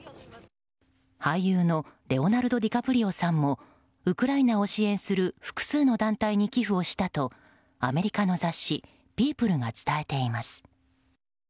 俳優のレオナルド・ディカプリオさんもウクライナを支援する複数の団体に寄付をしたとアメリカの雑誌「ピープル」が伝えています。